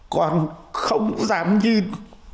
con không dám nhìn